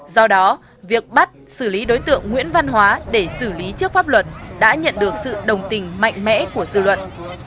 do đó việc bắt xử lý đối tượng nguyễn văn hóa để xử lý trước pháp luật đã nhận được sự đồng tình mạnh mẽ của dư luận